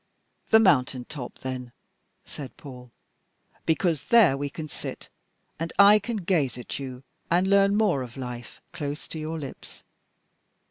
"The mountain top, then!" said Paul, "because there we can sit, and I can gaze at you, and learn more of life, close to your lips.